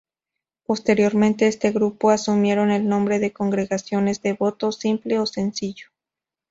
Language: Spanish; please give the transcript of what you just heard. Posteriormente este grupo asumieron el nombre de congregaciones de voto simple o sencillo.